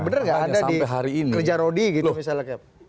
bener gak anda di kerja rodi gitu captain